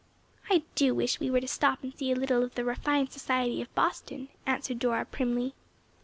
I do wish we were to stop and see a little of the refined society of Boston," answered Dora, primly.